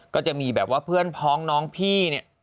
ก็จะมีแบบว่าเพื่อนพ้องน้องพี่เนี่ย